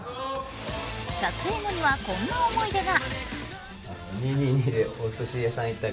撮影後には、こんな思い出が。